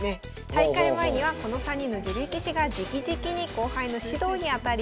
大会前にはこの３人の女流棋士がじきじきに後輩の指導に当たります。